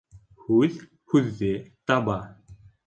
Һүҙ һүҙҙе таба.